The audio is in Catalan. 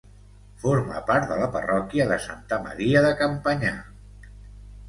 Formà part de la parròquia de Santa Maria de Campanyà.